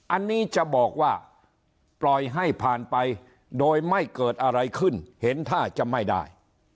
อันนี้จะบอกว่าปล่อยให้ผ่านไปโดยไม่เกิดอะไรขึ้นเห็นท่าจะไม่ได้